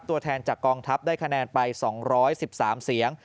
ตัวแทนจากกองทัพได้คะแนนไป๒๑๓เสียง